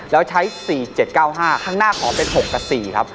แล้วใช้๔๗๙๕ข้างหน้าขอเป็น๖กับ๔ครับ